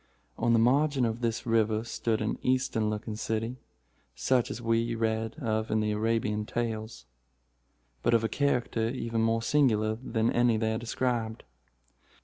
On the margin of this river stood an Eastern looking city, such as we read of in the Arabian Tales, but of a character even more singular than any there described.